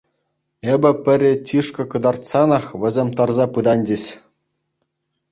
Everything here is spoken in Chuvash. Эпӗ пӗрре чышкӑ кӑтартсанах, вӗсем тарса пытанчӗҫ.